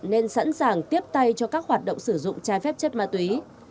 nên sẵn sàng tiếp tay cho các hoạt động sử dụng trái phép chất ma túy